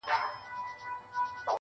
چېرته ليري په شنو غرونو كي ايسار وو،